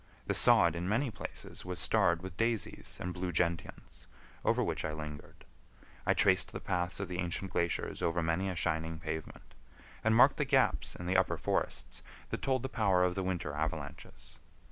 The sod in many places was starred with daisies and blue gentians, over which I lingered. I traced the paths of the ancient glaciers over many a shining pavement, and marked the gaps in the upper forests that told the power of the winter avalanches.